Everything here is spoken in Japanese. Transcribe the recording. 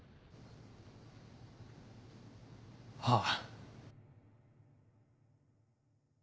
ああ。